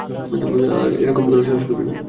আর এরকম করার সাহস করবি না।